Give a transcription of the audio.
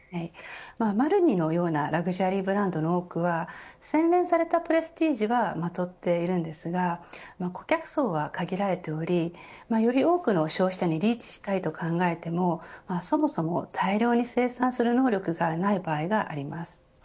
ＭＡＲＮＩのようなラグジュアリーブランドの多くは洗練されたプレスティージはまとっていますが顧客層は限られておりより多くの消費者にリーチしたいと考えてもそもそも大量に生産する能力がない場合があります。